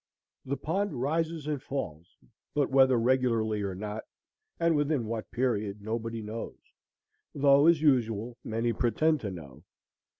The pond rises and falls, but whether regularly or not, and within what period, nobody knows, though, as usual, many pretend to know.